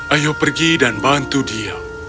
ayo pergi dan bantu dia